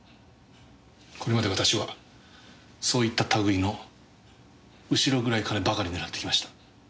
これまで私はそういった類の後ろ暗い金ばかり狙ってきました。